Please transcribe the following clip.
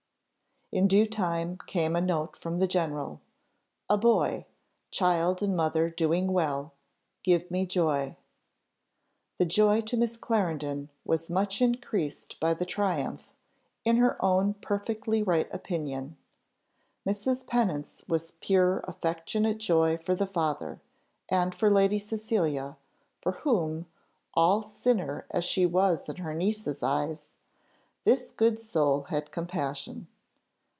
In due time came a note from the general. "A boy! child and mother doing well. Give me joy." The joy to Miss Clarendon was much increased by the triumph, in her own perfectly right opinion. Mrs. Pennant's was pure affectionate joy for the father, and for Lady Cecilia, for whom, all sinner as she was in her niece's eyes, this good soul had compassion.